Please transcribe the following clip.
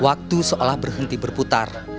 waktu seolah berhenti berputar